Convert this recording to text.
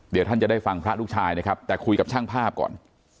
เดี๋ยวท่านจะได้ฟังพระลูกชายนะครับแต่คุยกับช่างภาพก่อน